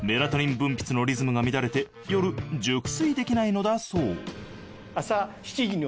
分泌のリズムが乱れて夜熟睡できないのだ